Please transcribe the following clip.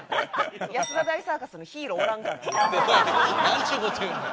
なんちゅう事言うねん。